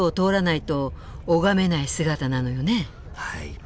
はい。